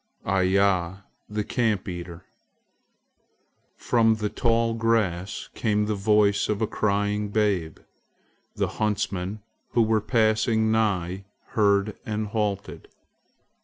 IYA, THE CAMP EATER FROM the tall grass came the voice of a crying babe. The huntsmen who were passing nigh heard and halted.